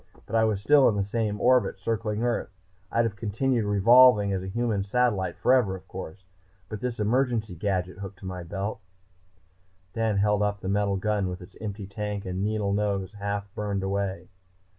But I was still in the same orbit circling Earth. I'd have continued revolving as a human satellite forever, of course, but for this emergency gadget hooked to my belt." Dan held up the metal gun with its empty tank and needle nose half burned away.